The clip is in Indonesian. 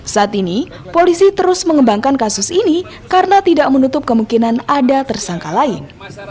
saat ini polisi terus mengembangkan kasus ini karena tidak menutup kemungkinan ada tersangka lain